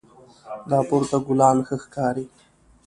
دا پورته ګلان ښه ښکاري